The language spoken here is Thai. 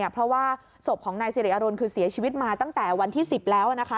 เพราะว่าศพของนายสิริอรุณคือเสียชีวิตมาตั้งแต่วันที่๑๐แล้วนะคะ